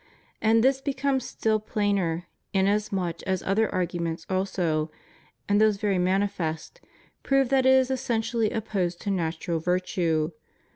And this becomes still plainer, inasmuch as other arguments also, and those very manifest, prove that it is essentially opposed to natural virtue.